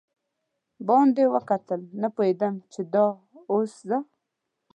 باندې وکتل، نه پوهېدم چې دا اوس زه.